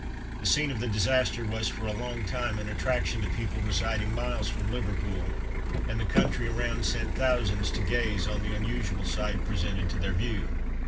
The scene of the disaster was for a long time an attraction to people residing miles from Liverpool, and the country around sent thousands to gaze on the unusual sight presented to their view.